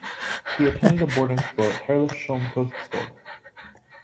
He attended boarding school at Herlufsholm kostskole.